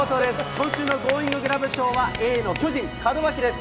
今週のゴーインググラブ賞はＡの巨人、門脇です。